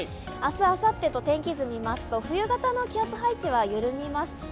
明日、あさってと天気図をみますと冬型の気圧配置は緩みます。